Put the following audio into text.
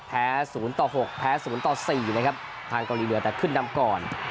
๐ต่อ๖แพ้๐ต่อ๔นะครับทางเกาหลีเหนือแต่ขึ้นนำก่อน